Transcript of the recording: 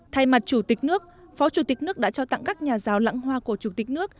thay mặt chủ tịch nước phó chủ tịch nước đã trao tặng các nhà giáo lãng hoa của chủ tịch nước